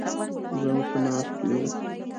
زه او ته ناست يوو.